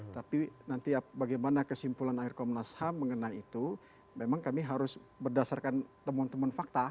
tapi nanti bagaimana kesimpulan akhir komnas ham mengenai itu memang kami harus berdasarkan temuan temuan fakta